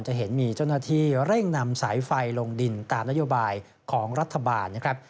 จะเห็นมีเจ้าหน้าที่เร่งนำสายไฟลงดินตามนโยบายของรัฐบาลนะครับ